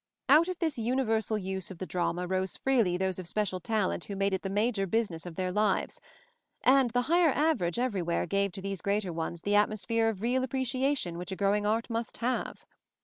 Out of this universal use of the drama rose freely those of special talent who made it the major business of their lives; and the higher average everywhere gave to these greater ones the atmosphere of real appre ciation which a growing art must have.